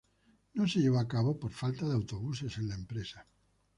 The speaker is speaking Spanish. No se llevó a cabo por falta de autobuses en la empresa.